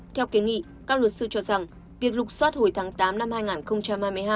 theo kiến nghị các luật sư cho rằng việc lục xoát hồi tháng tám năm hai nghìn hai mươi hai